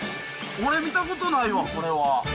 俺、見たことないわ、これは。